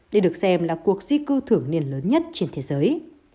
đây được xem là cuộc di cư thưởng niền lớn nhất trên thế giới